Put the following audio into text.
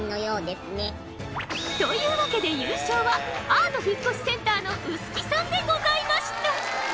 というわけで優勝はアート引越センターの臼木さんでございました。